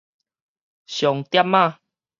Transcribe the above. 上店仔